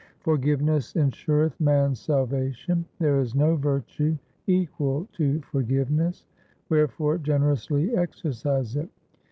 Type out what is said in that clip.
For giveness ensureth man's salvation. There is no virtue equal to forgiveness. Wherefore generously exercise it.